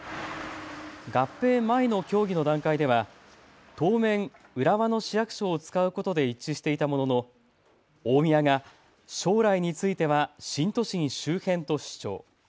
合併前の協議の段階では当面、浦和の市役所を使うことで一致していたものの大宮が将来については新都心周辺と主張。